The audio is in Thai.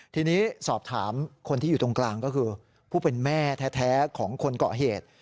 ทีนี้สอบถามคนที่อยู่ตรงกลางก็คือผู้เป็นแม่แท้ของคนเกาะเหตุ